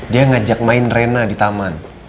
dia ngajak main rena di taman